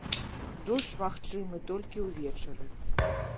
Дождж магчымы толькі ўвечары.